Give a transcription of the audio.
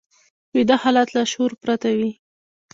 ویده حالت له شعور پرته وي